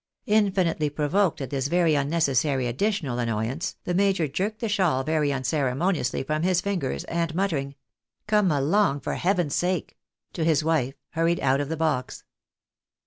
Infinitely provoked at this very unnecessary additional annoyance, the major jerked the shawl very unceremoniously from his fingers, and muttering "Come along, for heaven's sake!" to his wife, hurried out of the box.